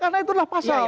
karena itu adalah pasal